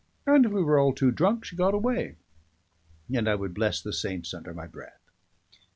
and if we were all too drunk, she got away, and I would bless the saints under my breath.